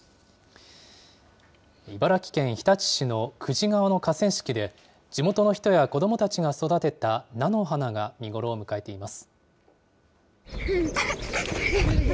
茨城県日立市の久慈川の河川敷で、地元の人や子どもたちが育てた菜の花が見頃を迎えています。